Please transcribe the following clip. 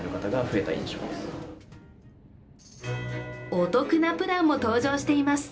お得なプランも登場しています。